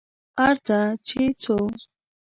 ارڅه چې څو